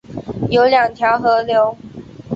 有二条河流